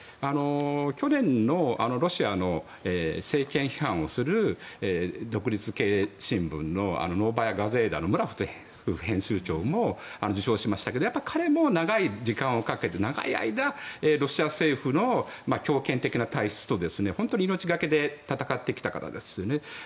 去年のロシアの政権批判をする独立系新聞のノーバヤ・ガゼータのムラトフ編集長も受賞しましたが彼も長い時間をかけて長い間ロシア政府の強権的な体質と本当に命懸けで戦ってきた方ですよね。